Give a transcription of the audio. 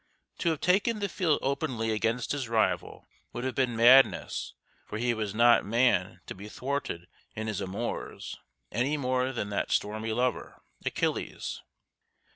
To have taken the field openly against his rival would have been madness for he was not man to be thwarted in his amours, any more than that stormy lover, Achilles.